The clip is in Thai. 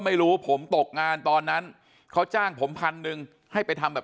ไม่รู้ผมตกงานตอนนั้นเขาจ้างผมพันหนึ่งให้ไปทำแบบ